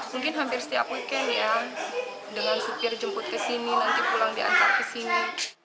mungkin hampir setiap weekend ya dengan supir jemput ke sini nanti pulang diantar ke sini